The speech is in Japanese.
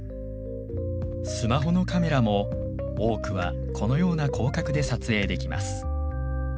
スマホのカメラも多くはこのような広角で撮影できます。